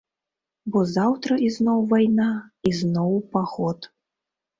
Бо заўтра ізноў вайна, ізноў у паход.